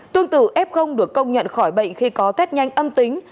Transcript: tương tự f được công nhận khỏi bệnh khi có test nhanh âm tính